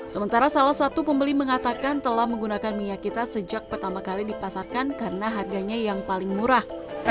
sementara salah satu pembeli mengatakan telah menggunakan minyak kita sejak pertama kali dipasarkan karena harganya yang paling murah